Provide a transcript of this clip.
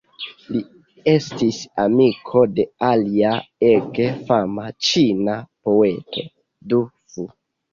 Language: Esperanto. Li estis amiko de alia ege fama ĉina poeto, Du Fu.